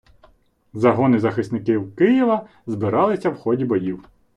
Загони захисників Києва збиралися в ході боїв.